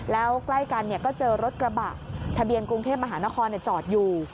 แล้วกล้ายกันเนี่ยก็เจอรถกระบะทะเบียนกรุงเทพมหานครเนี่ยจอดอยู่